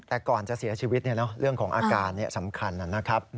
แต่ก่อนจะเสียชีวิตเนี่ยเนอะเรื่องของอาการเนี่ยสำคัญนะครับ